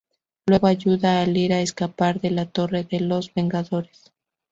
Luego ayuda a Lyra a escapar de la Torre de los Vengadores.